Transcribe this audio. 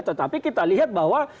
tetapi kita lihat bahwa